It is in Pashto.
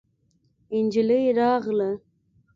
نجلۍ راغله.